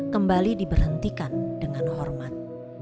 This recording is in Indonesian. kembali diberhentikan dengan hormat